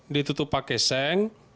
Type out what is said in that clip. ditutup pakai seng